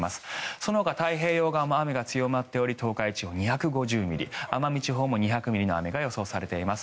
そのほか太平洋側も雨が強まっており東海地方、２５０ミリ奄美地方も２００ミリの雨が予想されています。